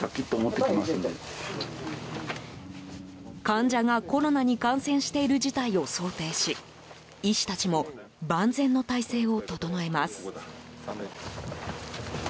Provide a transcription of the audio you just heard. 患者がコロナに感染している事態を想定し医師たちも万全の態勢を整えます。